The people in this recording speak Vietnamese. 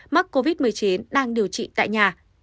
mắc covid một mươi chín đang điều trị tại nhà